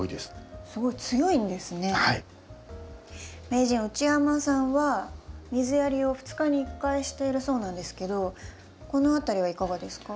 名人内山さんは水やりを２日に１回しているそうなんですけどこの辺りはいかがですか？